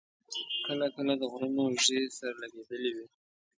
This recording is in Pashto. کله کله د غرونو اوږې سره لګېدلې وې.